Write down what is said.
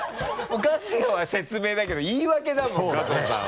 春日は説明だけど言い訳だもん加藤さんは。